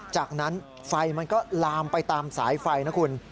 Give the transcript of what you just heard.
จากนั้นไฟมันก็ลามไปตามสายไฟนะคุณ